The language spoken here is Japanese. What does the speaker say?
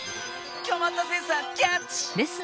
こまったセンサーキャッチ！